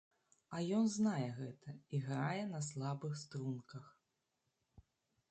А ён знае гэта і грае на слабых струнках.